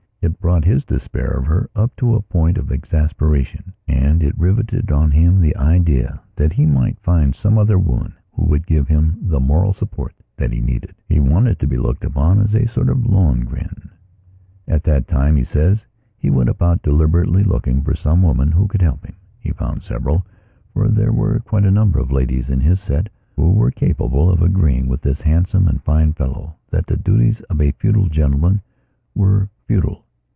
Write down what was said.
It brought his despair of her up to a point of exasperationand it riveted on him the idea that he might find some other woman who would give him the moral support that he needed. He wanted to be looked upon as a sort of Lohengrin. At that time, he says, he went about deliberately looking for some woman who could help him. He found severalfor there were quite a number of ladies in his set who were capable of agreeing with this handsome and fine fellow that the duties of a feudal gentleman were feudal.